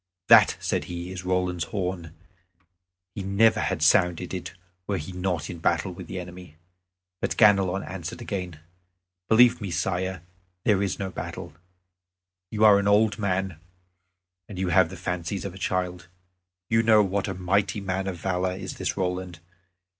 "That," said he, "is Roland's horn; he never had sounded it were he not in battle with the enemy." But Ganelon answered again: "Believe me, Sire, there is no battle. You are an old man, and you have the fancies of a child. You know what a mighty man of valor is this Roland.